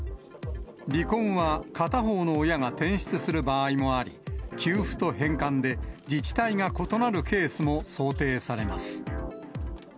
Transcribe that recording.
離婚は片方の親が転出する場合もあり、給付と返還で自治体が異なるケースも想定されます。